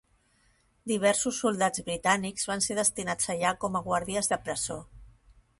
Diversos soldats britànics van ser destinats allà com a guàrdies de presó.